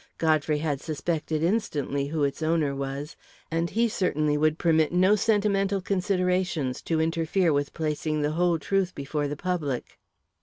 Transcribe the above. Godfrey had suspected instantly who its owner was; and he, certainly, would permit no sentimental considerations to interfere with placing the whole truth before the public.